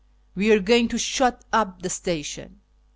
We are going to shut up the station."